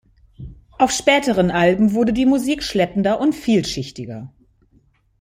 Auf späteren Alben wurde die Musik schleppender und vielschichtiger.